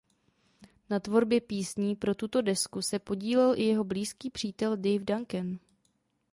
Na tvorbě písní pro tuto desku se podílel i jeho blízký přítel Dave Duncan.